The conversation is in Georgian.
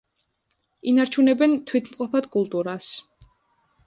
ინარჩუნებენ თვითმყოფად კულტურას.